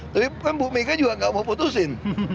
tapi kan bu mega juga nggak mau putusin